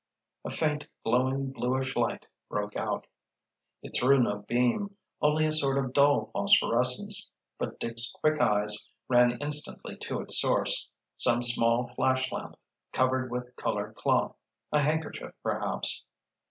A faint, glowing, bluish light broke out. It threw no beam, only a sort of dull phosphorescence; but Dick's quick eyes ran instantly to its source—some small flashlamp covered with colored cloth, a handkerchief, perhaps.